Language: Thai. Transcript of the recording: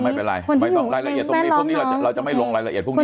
ไม่ต้องรายละเอียดตรงนี้เราจะไม่ลงรายละเอียดตรงนี้